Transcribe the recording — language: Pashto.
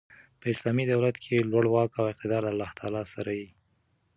په اسلامي دولت کښي لوړ واک او اقتدار د الله تعالی سره يي.